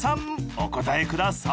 お答えください